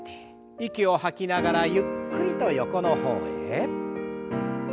息を吐きながらゆっくりと横の方へ。